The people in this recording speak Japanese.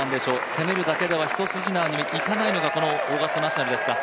攻めるだけでは一筋縄ではいかないのがこのオーガスタ・ナショナルですか？